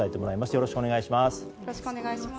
よろしくお願いします。